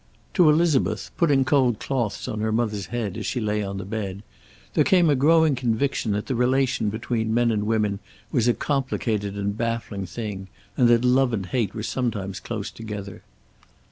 To Elizabeth, putting cold cloths on her mother's head as she lay on the bed, there came a growing conviction that the relation between men and women was a complicated and baffling thing, and that love and hate were sometimes close together.